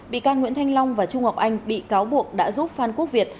bị can nguyễn thanh long và trung ngọc anh bị cáo buộc đã giúp phan quốc việt